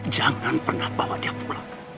jangan pernah bawa dia pulang